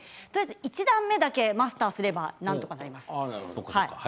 １段目だけをマスターすればなんとかなります。